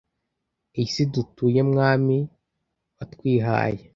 iyi si dutuye mwami watwihaye